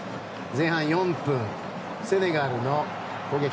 前半４分、セネガルの攻撃。